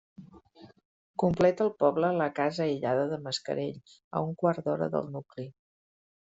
Completa el poble la casa aïllada de Mascarell, a un quart d'hora del nucli.